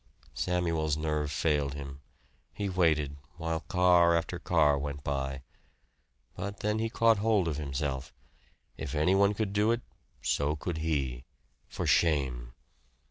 Samuel's nerve failed him. He waited, while car after car went by. But then he caught hold of himself. If anyone could do it, so could he. For shame.